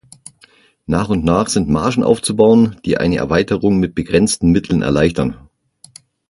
Nach und nach sind Margen aufzubauen, die eine Erweiterung mit begrenzten Mitteln erleichtern.